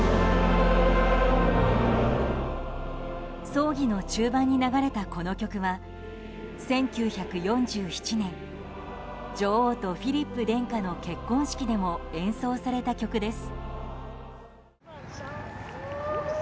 葬儀の中盤に流れたこの曲は１９４７年、女王とフィリップ殿下の結婚式でも演奏された曲です。